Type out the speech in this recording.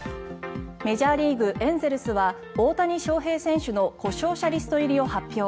メジャーリーグ、エンゼルスは大谷翔平選手の故障者リスト入りを発表。